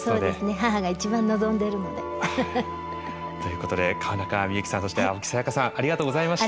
母が一番望んでるので。ということで川中美幸さんそして青木さやかさんありがとうございました。